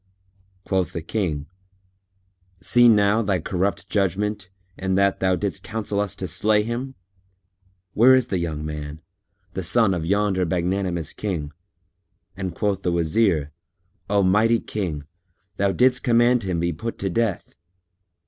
Quoth the King "See now thy corrupt judgment, in that thou didst counsel us to slay him! Where is the young man, the son of yonder magnanimous King?" And quoth the Wazir, "O mighty King, thou didst command him be put to death."